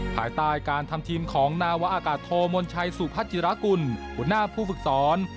ภายใต้การทำทีมของนาวะอากาศโทมนชัยสุพัชิรากุลหัวหน้าผู้ฝึกสอน